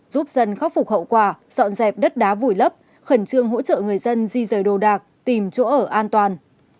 giúp dân khắc phục hậu quả dọn dẹp đất đá vùi lấp khẩn trương hỗ trợ người dân di rời đồ đạc tìm chỗ ở an toàn